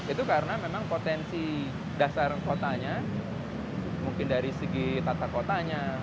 itu karena memang potensi dasar kotanya mungkin dari segi tata kotanya